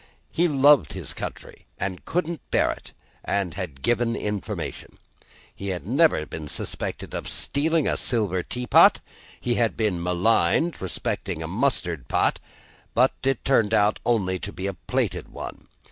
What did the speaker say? He loved his country, and couldn't bear it, and had given information. He had never been suspected of stealing a silver tea pot; he had been maligned respecting a mustard pot, but it turned out to be only a plated one.